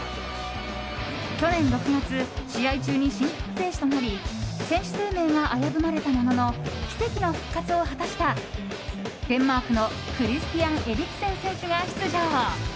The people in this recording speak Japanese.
去年６月、試合中に心停止となり選手生命が危ぶまれたものの奇跡の復活を果たしたデンマークのクリスティアン・エリクセン選手が出場。